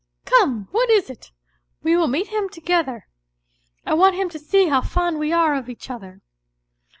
" Come, what is it ? We will meet him together ; I want him to see how fond we are of each other."